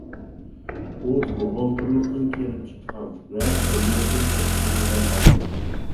ئۇ بوغالتىرلىقتىن كېلىپ چىققان ۋە جەمئىيەتتىن تەكلىپ قىلىنغان ئادەم.